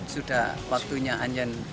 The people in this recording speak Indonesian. sudah waktunya anjang